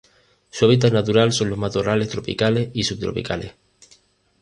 Su hábitat natural son los matorrales tropicales y subtropicales.